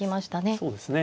そうですね。